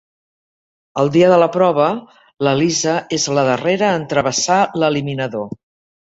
El dia de la prova, la Lisa és la darrera en travessar l'Eliminador.